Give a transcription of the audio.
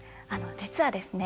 実はですね